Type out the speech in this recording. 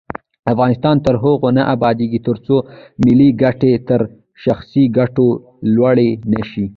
افغانستان تر هغو نه ابادیږي، ترڅو ملي ګټې تر شخصي ګټو لوړې نشي.